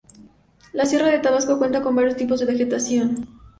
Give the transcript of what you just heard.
La sierra de Tabasco cuenta con varios tipos de vegetación.